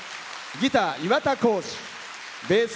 ギター、岩田光司。